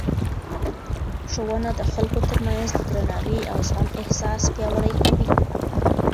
ښوونه د خلکو ترمنځ د درناوي او زغم احساس پیاوړی کوي.